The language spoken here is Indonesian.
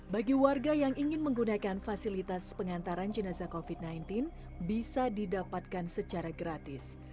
bagi warga yang ingin menggunakan fasilitas pengantaran jenazah covid sembilan belas bisa didapatkan secara gratis